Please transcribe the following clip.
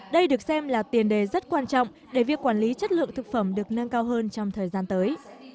đây được xem là tiền đề rất quan trọng để việc quản lý chất lượng thực phẩm được nâng cao hơn trong thời gian tới